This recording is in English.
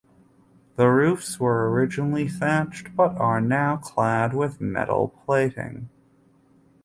The roofs were originally thatched but are now clad with metal plating.